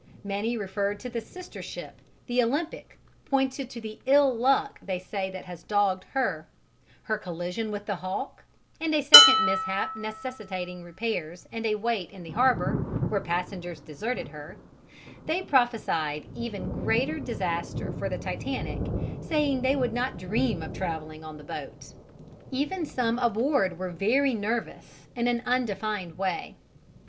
Many referred to the sister ship, the Olympic, pointed to the "ill luck" that they say has dogged her her collision with the Hawke, and a second mishap necessitating repairs and a wait in harbour, where passengers deserted her; they prophesied even greater disaster for the Titanic, saying they would not dream of travelling on the boat. Even some aboard were very nervous, in an undefined way.